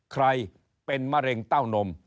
ใครเป็นมะเร็งเต้านม